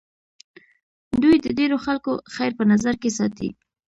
دوی د ډېرو خلکو خیر په نظر کې ساتي.